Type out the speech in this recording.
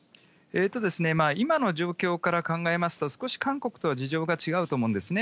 今の状況から考えますと、少し韓国とは事情が違うと思うんですね。